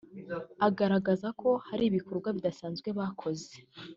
agaragaza ko hari ibikorwa bidasanzwe bakozeyo